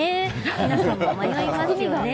皆さんも迷いますよね。